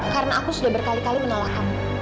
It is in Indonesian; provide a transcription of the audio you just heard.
karena aku sudah berkali kali menolak kamu